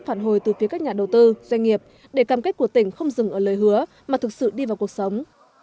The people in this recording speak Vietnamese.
phản hồi từ phía các nhà đầu tư doanh nghiệp để cam kết của tỉnh không dừng ở lời hứa mà thực sự đi vào cuộc sống